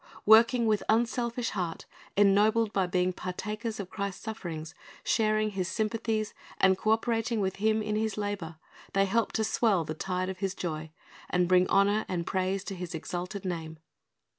Working with unselfish heart, ennobled by being partakers of Christ's sufferings, sharing His sympathies, and co operating with Him in His labor, they help to swell the tide of His joy, and bring honor and praise to His exalted name.